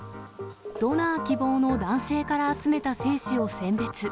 ドナー希望の男性から集めた精子を選別。